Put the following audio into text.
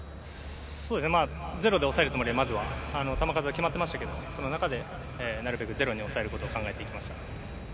ゼロで抑えるつもりはまずは、球数は決まっていましたけど、その中でなるべくゼロに抑えることを考えていきました。